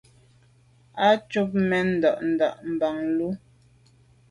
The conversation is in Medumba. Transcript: A tù’ mèn nda’nda’ mban lo.